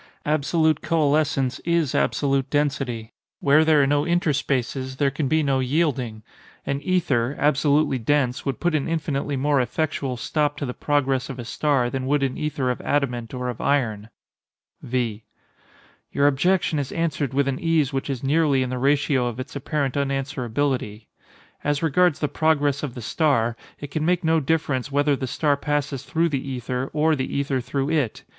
Absolute coalescence is absolute density. Where there are no interspaces, there can be no yielding. An ether, absolutely dense, would put an infinitely more effectual stop to the progress of a star than would an ether of adamant or of iron. V. Your objection is answered with an ease which is nearly in the ratio of its apparent unanswerability.—As regards the progress of the star, it can make no difference whether the star passes through the ether or the ether through it.